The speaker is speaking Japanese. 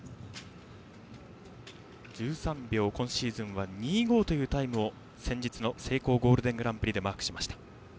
１３秒２５というタイムを今シーズン先日のセイコーゴールデングランプリでマークしました。